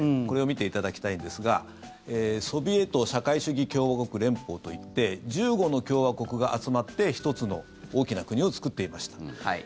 これを見ていただきたいんですがソビエト社会主義共和国連邦といって、１５の共和国が集まって１つの大きな国を作っていました。